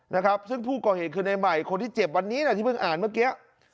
นะครับซึ่งผู้ก่อเหตุคือในใหม่คนที่เจ็บวันนี้นะที่เพิ่งอ่านเมื่อกี้